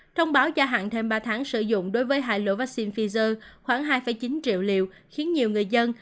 thông báo gia hạn thêm ba tháng sử dụng đối với hai lô vaccine pfizer khoảng hai chín triệu liều khiến nhiều người dân